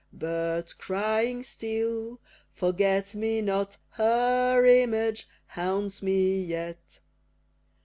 But, crying still, "Forget me not," Her image haunts me yet.